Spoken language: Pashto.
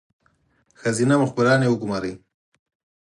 ښځینه مخبرانې وګوماري.